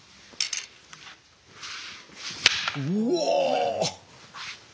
うわ。